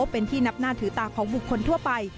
เป็นที่นับหน้าถือตาของบุคคลทั่วไป